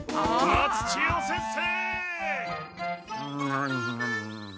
・松千代先生！